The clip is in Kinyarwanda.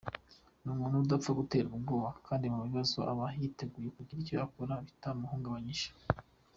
Ni umuntu udapfa guterwa ubwoba kandi mu bibazo aba yiteguye kugira icyo akora bitamuhungabanyije.